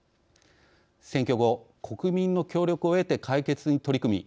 選挙後、国民の協力を得て解決に取り組み